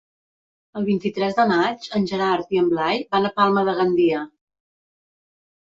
El vint-i-tres de maig en Gerard i en Blai van a Palma de Gandia.